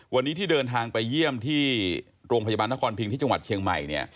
วันนี้ที่เดินทางไปเยี่ยมที่โรงพยาบาลนครพิงที่จังหวัดเชียงใหม่